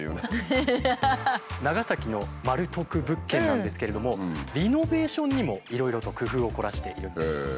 長崎のマル得物件なんですけれどもリノベーションにもいろいろと工夫を凝らしているんです。